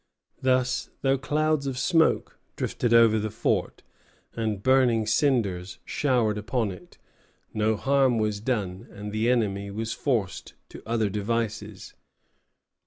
_] Thus, though clouds of smoke drifted over the fort, and burning cinders showered upon it, no harm was done, and the enemy was forced to other devices.